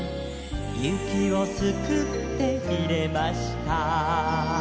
「雪をすくって入れました」